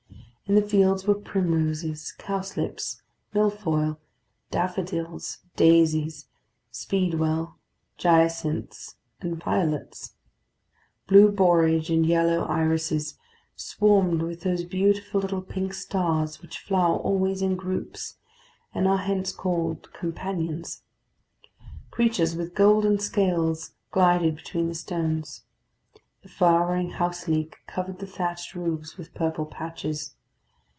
In the fields were primroses, cowslips, milfoil, daffodils, daisies, speedwell, jacinths, and violets. Blue borage and yellow irises swarmed with those beautiful little pink stars which flower always in groups, and are hence called "companions." Creatures with golden scales glided between the stones. The flowering houseleek covered the thatched roofs with purple patches.